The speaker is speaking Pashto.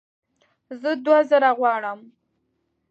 زه دوه زره غواړم